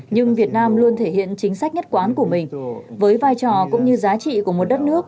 nhưng việt nam luôn thể hiện chính sách nhất quán của mình với vai trò cũng như giá trị của một đất nước